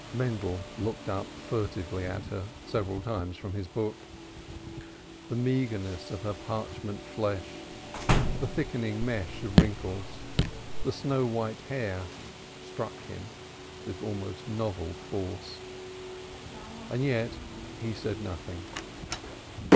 Mendel looked up furtively at her several times from his book. The meagreness of her parchment flesh, the thickening mesh of wrinkles, the snow white hair struck him with almost novel force. But he said nothing.